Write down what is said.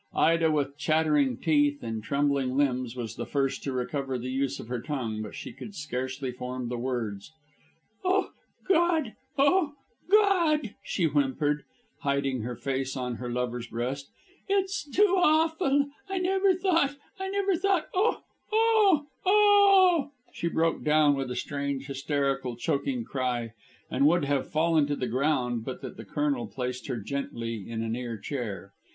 Ida, with chattering teeth and trembling limbs, was the first to recover the use of her tongue; but she could scarcely form the words. "Oh, God! oh, God!" she whimpered, hiding her face on her lover's breast; "it's too awful. I never thought I never thought oh oh oh!" She broke down with a strange, hysterical, choking cry, and would have fallen to the ground but that the Colonel placed her gently in a near chair.